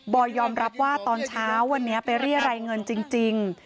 อยยอมรับว่าตอนเช้าวันนี้ไปเรียรายเงินจริง